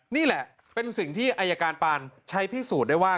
นี่แหละเป็นสิ่งที่อายการปานใช้พิสูจน์ได้ว่า